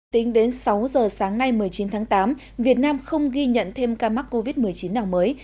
tính đến sáu giờ sáng nay một mươi chín tháng tám việt nam không ghi nhận thêm ca mắc covid một mươi chín nào mới